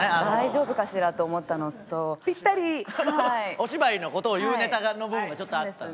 お芝居の事を言うネタの部分がちょっとあった。